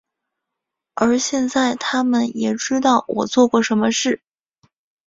而现在他们也知道我做过什么事。